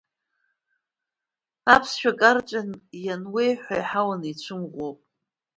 Аԥсшәа карҵәан иануеиҳәо, еиҳа уаницәымӷу ауп.